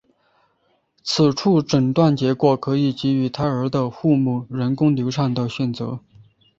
此外诊断结果可以给予胎儿的父母人工流产的选择。